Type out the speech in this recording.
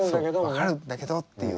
分かるんだけどっていう。